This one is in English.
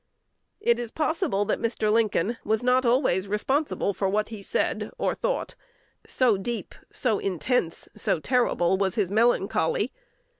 It is possible that Mr. Lincoln was not always responsible for what he said or thought, so deep, so intense, so terrible, was his melancholy.